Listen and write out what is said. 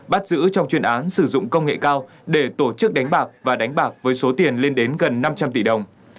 bắt giữ trong chuyên án sử dụng công nghệ cao để tổ chức đánh bạc và đánh bạc với số tiền lên đến gần năm trăm linh tỷ đồng